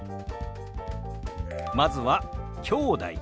まずは「きょうだい」。